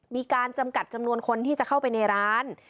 มีการจำกัดจำนวนคนที่จะเข้าไปในร้าน